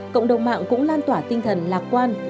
cộng đồng mạng cũng lan tỏa tinh thần lạc quan